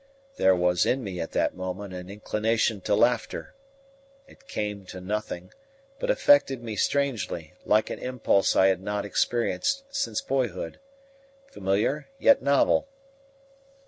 There was in me at that moment an inclination to laughter; it came to nothing, but affected me strangely, like an impulse I had not experienced since boyhood familiar, yet novel.